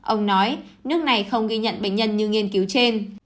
ông nói nước này không ghi nhận bệnh nhân như nghiên cứu trên